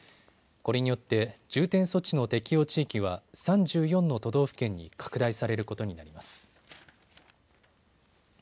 これによって重点措置の適用地域は３４の都道府県に拡大されることになります。